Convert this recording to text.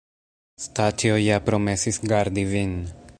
Staĉjo ja promesis gardi vin.